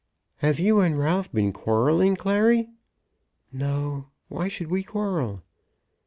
"Have you and Ralph been quarrelling, Clary?" "No; why should we quarrel?"